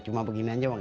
cuma begini aja mah